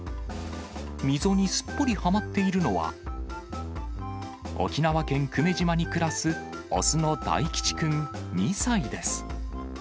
溝にすっぽりはまっているのは、沖縄県久米島に暮らす、雄の大吉くん２歳です。